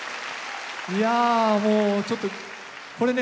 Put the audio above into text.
いやもうちょっとこれね